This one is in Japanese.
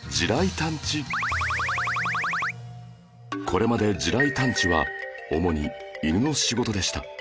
これまで地雷探知は主に犬の仕事でした